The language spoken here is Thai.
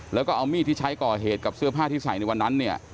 แล้วก็เอามีดที่ใช้ก่อเหตุกับเสื้อผ้าที่ใส่ในวันนั้นเนี่ย